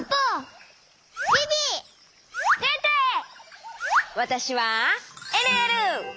わたしはえるえる！